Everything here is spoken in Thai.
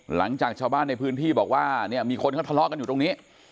หลังจากชาวบ้านในพื้นที่บอกว่าเนี่ยมีคนเขาทะเลาะกันอยู่ตรงนี้